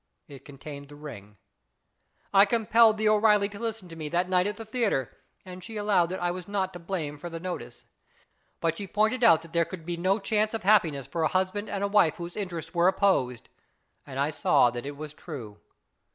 It contained the ring! I compelled the O'Reilly to listen to me that night at the theatre, and she allowed that I was not to blame for the notice. But she pointed out that there could be no chance of happiness for a husband and wife whose interests were opposed, and I saw that it was true.